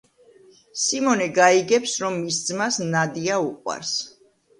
სიმონე გაიგებს, რომ მის ძმას ნადია უყვარს.